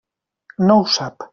No ho sap.